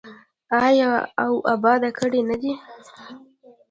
آیا او اباد کړی نه دی؟